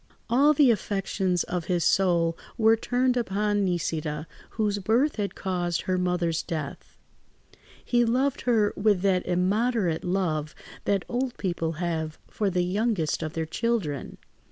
All the affections of his soul were turned upon Nisida, whose birth had caused her mother's death; he loved her with that immoderate love that old people have for the youngest of their children.